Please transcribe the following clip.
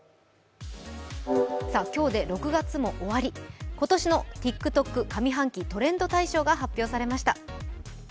今日で６月も終わり今年のＴｉｋＴｏｋ上半期トレンド大賞が発表されました。